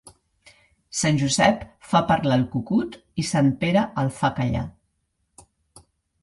Sant Josep fa parlar el cucut i Sant Pere el fa callar.